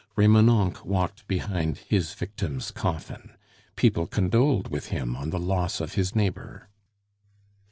Remonencq walked behind his victim's coffin. People condoled with him on the loss of his neighbor.